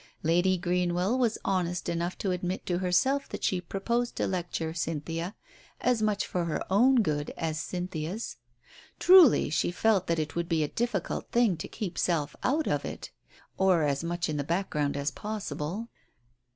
Lady Greenwell was honest enough to admit to her self that she proposed to lecture Cynthia as much for her own good, as Cynthia's. Truly, she felt that it would be a difficult thing to keep self out of it, or as much in the background as possible.